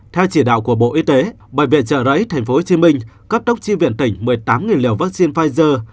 theo chỉ đạo của bộ y tế bệnh viện trợ rẫy tp hcm cấp tốc chi viện tỉnh một mươi tám liều vaccine pfizer